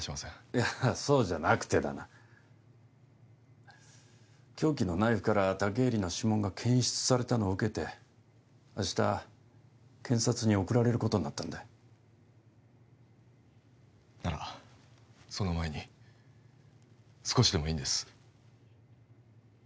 いやそうじゃなくてだな凶器のナイフから武入の指紋が検出されたのを受けて明日検察に送られることになったんだならその前に少しでもいいんです